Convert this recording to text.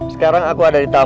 sekarang aku ada di taman